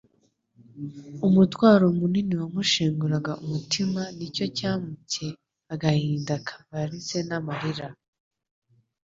Umutwaro munini wamushenguraga umutima ni cyo cyamutcye agahinda kavarize n'amarira